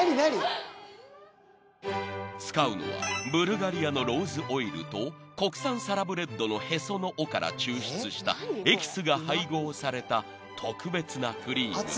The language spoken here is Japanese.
［使うのはブルガリアのローズオイルと国産サラブレッドのへその緒から抽出したエキスが配合された特別なクリーム］